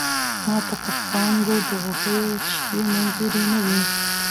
ماته پر څانگو د غوټیو شپې منظوری نه وې